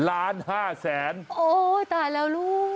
โอ้ยตายแล้วลูก